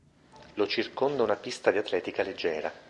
Lo circonda una pista di atletica leggera.